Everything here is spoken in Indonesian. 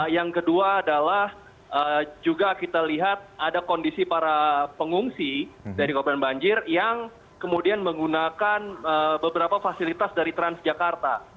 yang kedua adalah juga kita lihat ada kondisi para pengungsi dari korban banjir yang kemudian menggunakan beberapa fasilitas dari transjakarta